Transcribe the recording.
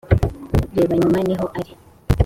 reba nyuma.niho ari